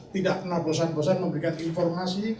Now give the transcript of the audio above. tidak pernah bosan bosan memberikan informasi